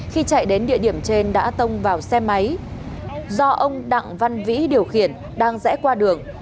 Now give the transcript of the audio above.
khi chạy đến địa điểm trên đã tông vào xe máy do ông đặng văn vĩ điều khiển đang rẽ qua đường